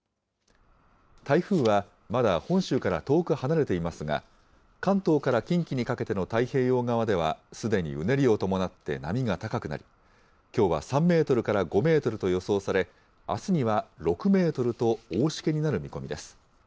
台風は、まだ本州から遠く離れていますが、関東から近畿にかけての太平洋側ではすでにうねりを伴って波が高くなり、きょうは３メートルから５メートルと予想され、あすには６メートルと大しけになる見込みです。